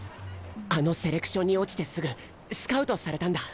あのセレクションに落ちてすぐスカウトされたんだ。